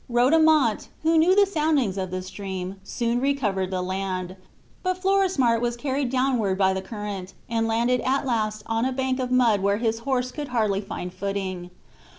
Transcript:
Rodomont, who knew the soundings of the stream, soon recovered the land; but Florismart was carried downward by the current, and landed at last on a bank of mud where his horse could hardly find footing.